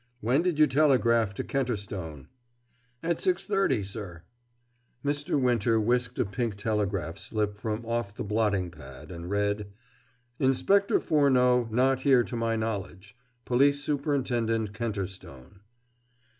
When did you telegraph to Kenterstone?" "At 6.30, sir." Mr. Winter whisked a pink telegraphic slip from off the blotting pad, and read: Inspector Furneaux not here to my knowledge. Police Superintendent, KENTERSTONE.